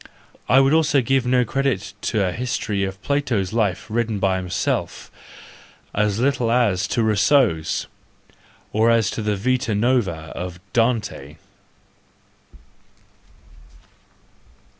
—I would also give no credit to a history of Plato's life written by himself, as little as to Rousseau's, or to the Vita nuova of Dante.